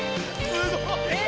すごい。